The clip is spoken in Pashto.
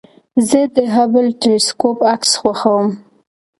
زه د هبل ټېلسکوپ عکس خوښوم.